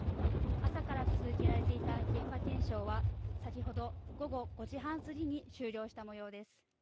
朝から続けられていた現場検証は先ほど午後５時半すぎに終了したもようです。